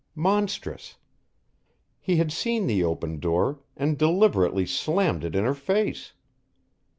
Monstrous! He had seen the open door and deliberately slammed it in her face.